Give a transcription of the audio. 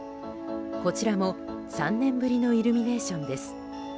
こちらも３年ぶりのイルミネーションです。